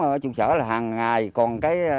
ở trung sở là hàng ngày còn